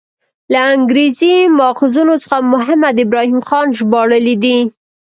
له انګریزي ماخذونو څخه محمد ابراهیم خان ژباړلی دی.